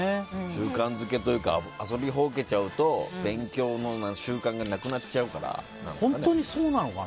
習慣づけというか遊びほうけちゃうと勉強の習慣がなくなっちゃうからなんですかね。